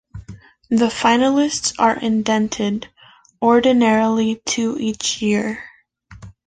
The finalists are indented, ordinarily two each year.